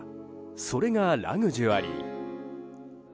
それがラグジュアリー。